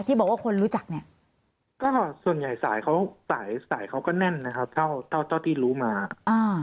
บอกว่าคนรู้จักเนี้ยก็ส่วนใหญ่สายเขาสายสายเขาก็แน่นนะครับเท่าเท่าที่รู้มาอ่า